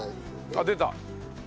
あっ出た！